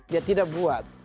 dia tidak buat